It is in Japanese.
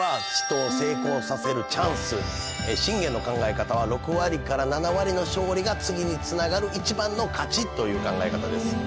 信玄の考え方は６割から７割の勝利が次につながる一番の勝ちという考え方です。